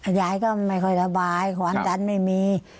ยายก็ไม่ค่อยระบายความดันไม่มี